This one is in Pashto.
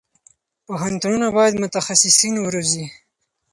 پوهنتونونه باید متخصصین وروزي.